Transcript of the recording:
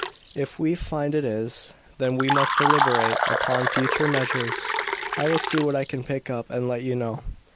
"If we find it is, then we must deliberate upon future measures. I will see what I can pick up and let you know."